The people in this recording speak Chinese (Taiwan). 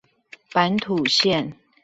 板土線